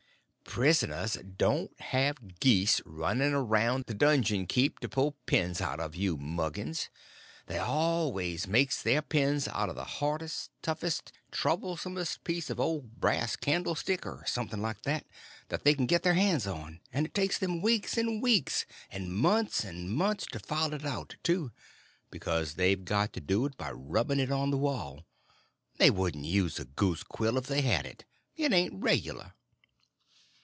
"Prisoners don't have geese running around the donjon keep to pull pens out of, you muggins. They always make their pens out of the hardest, toughest, troublesomest piece of old brass candlestick or something like that they can get their hands on; and it takes them weeks and weeks and months and months to file it out, too, because they've got to do it by rubbing it on the wall. They wouldn't use a goose quill if they had it. It ain't regular."